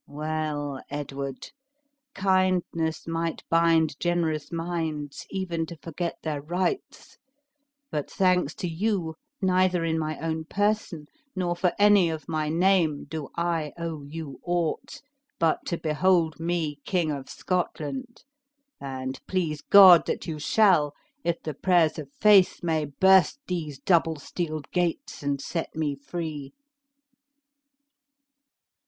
Well, Edward, kindness might bind generous minds even to forget their rights; but thanks to you, neither in my own person, nor for any of my name, do I owe you aught, but to behold me King of Scotland; and please God, that you shall, if the prayers of faith may burst these double steeled gates, and set me free!"